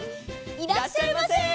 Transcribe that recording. いらっしゃいませ。